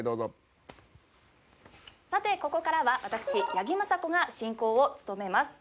さて、ここからは私、八木麻紗子が進行を務めます。